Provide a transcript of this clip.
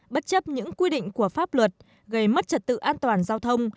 bất chấp những quy định của nhà nước